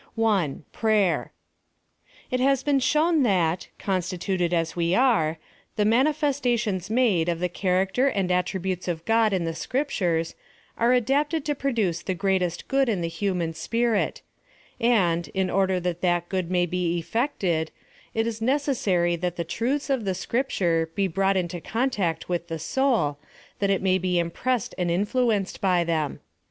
1. — P R A Y E R ,' It hfis been shown that, constituted as we axe, the manifestations made of the character and attri butes of God in tlie Scriptures, are adapted to pro duce the greatest good in the human spirit ; and, in order that that good may be effected, it is neces sary that the truths of the Scripture be brought in to contact with the soul that it may be impressed and influenced by them.